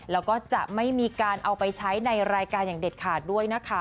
แล้วก็จะไม่มีการเอาไปใช้ในรายการอย่างเด็ดขาดด้วยนะคะ